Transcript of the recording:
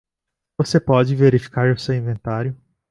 Você pode verificar o seu inventário?